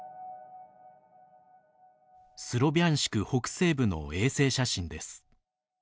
スロビャンシク北西部の衛星写真です。